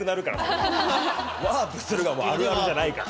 ワープするがあるあるじゃないから。